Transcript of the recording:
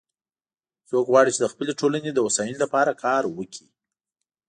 څوک غواړي چې د خپلې ټولنې د هوساینی لپاره کار وکړي